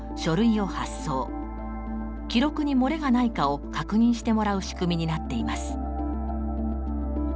記録にもれがないかを確認してもらう仕組みになっています。